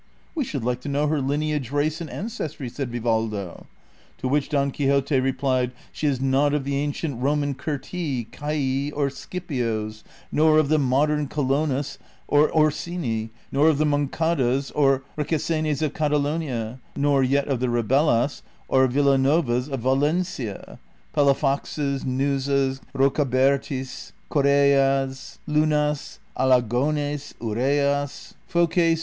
'• We should like to know her lineage, race, and ancestry," said Vivaldo. To which Don Quixote replied, '' She is not of the ancient Roman Curtii, Caii, or Scipios, nor of the modern Colonnas or Orsini, nor of the Moncadas or Requesenes of Catalonia, nor yet of the Rebellas or Villanovas of Valencia ; Palafoxes, Xuzas, Rocabertis, Corellas, Lunas, Alagones, Urreas, Foces, or Trov.